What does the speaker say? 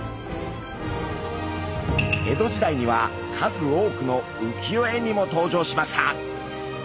江戸時代には数多くの浮世絵にも登場しました。